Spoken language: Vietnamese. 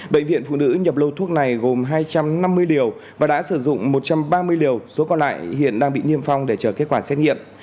bệnh viện phụ nữ nhập lô thuốc này gồm hai trăm năm mươi liều và đã sử dụng một trăm ba mươi liều số còn lại hiện đang bị niêm phong để chờ kết quả xét nghiệm